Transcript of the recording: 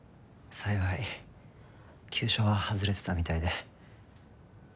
幸い急所は外れてたみたいで。